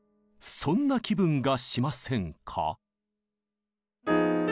そんな気分がしませんか？